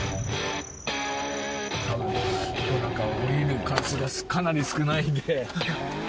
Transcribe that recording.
多分今日なんか降りる回数がかなり少ないんで。